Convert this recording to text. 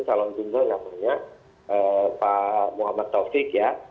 calon tunggal namanya pak muhammad taufik ya